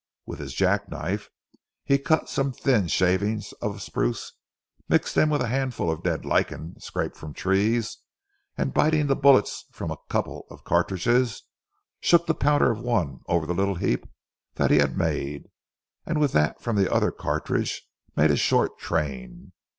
With his jack knife he cut some thin shavings of spruce, mixed them with a handful of dead lichen scraped from trees, and biting the bullets from a couple of cartridges shook the powder of one over the little heap that he had made, and with that from the other cartridge made a short train.